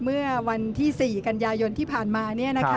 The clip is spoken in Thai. เมื่อวันที่๔กันยายนที่ผ่านมา